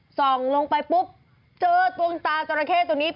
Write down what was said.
อะมันต้องจับมือน้องไพ้หลังแบบนี้